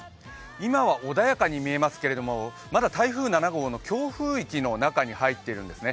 今は穏やかに見えますけど、まだ台風７号の強風域の中に入っているんですね。